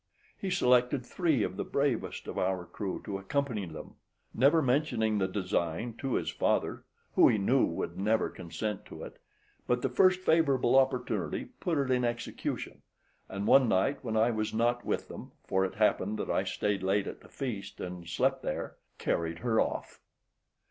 He selected three of the bravest of our crew to accompany them; never mentioning the design to his father, who he knew would never consent to it, but the first favourable opportunity, put it in execution; and one night when I was not with them (for it happened that I stayed late at the feast, and slept there) carried her off.